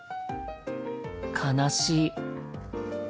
悲しい。